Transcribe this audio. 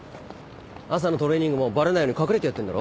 朝のトレーニングもバレないように隠れてやってんだろ？